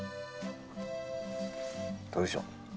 どうでしょう？